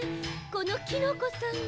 このキノコさんが。